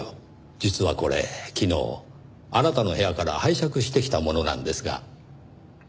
実はこれ昨日あなたの部屋から拝借してきたものなんですが。